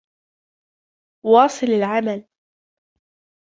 واصِل العمل.